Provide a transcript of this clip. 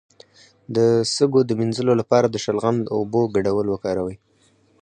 د سږو د مینځلو لپاره د شلغم او اوبو ګډول وکاروئ